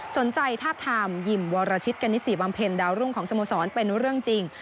ทาบทามยิมวรชิตกณิสีบำเพ็ญดาวรุ่งของสโมสรเป็นเรื่องจริง